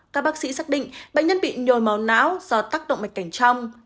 các bác sĩ xác định bệnh nhân bị nhồi máu não do tác động mạch cảnh trong